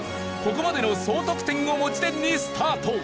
ここまでの総得点を持ち点にスタート。